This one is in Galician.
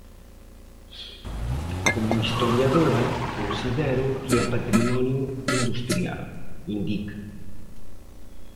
Como historiadora considero que é patrimonio industrial, indica.